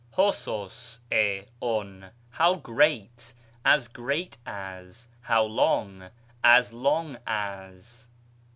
ὅσος, ἡ, ov, how great, as great as, how long, as long as.